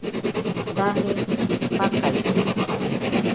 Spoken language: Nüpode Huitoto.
Daje fakaise